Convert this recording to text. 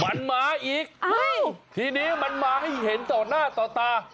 มันมาอีกทีนี้มันมาให้เห็นต่อหน้าต่อตา